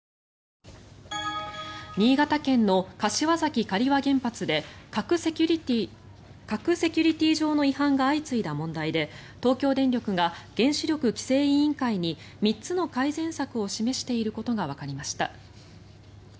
新潟県の柏崎刈羽原発で核セキュリティー上の違反が相次いだ問題で東京電力が原子力規制委員会に３つの改善策を示していることがわかりました。